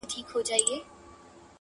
o مُلا سړی سو، اوس پر لاره د آدم راغلی.